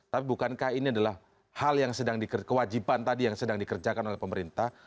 tapi bukankah ini adalah hal yang sedang dikewajiban tadi yang sedang dikerjakan oleh pemerintah